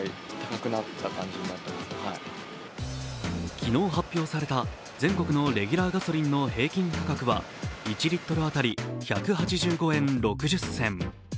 昨日発表された全国のレギュラーガソリンの平均価格は１リットル当たり１８５円６０銭。